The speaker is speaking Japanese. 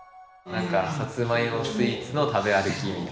サツマイモスイーツの食べ歩きみたいな。